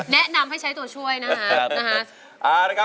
แนะนำให้ใช้ตัวช่วยนะครับ